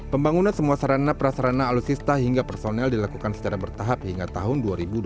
pembangunan semua sarana prasarana alutsista hingga personel dilakukan secara bertahap hingga tahun dua ribu dua puluh